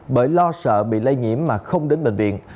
bởi lo sợ bị lây nhiễm mà không đến bệnh viện